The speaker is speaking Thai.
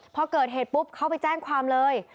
พอเกิดเหตุปุ๊บเขาไปแจ้งความเลย